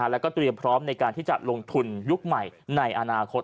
แล้วก็เตรียมพร้อมในการที่จะลงทุนยุคใหม่ในอนาคต